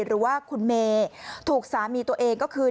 หรือว่าคุณเมย์ถูกสามีตัวเองก็คือ